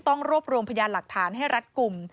ต้องรวบรวมพยานหลักฐานให้รัฐกลุ่ม